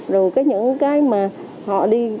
rồi những cái mà họ đi